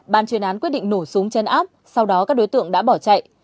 bàn truyền án quyết định nổ súng chân áp sau đó các đối tượng đã bỏ chạy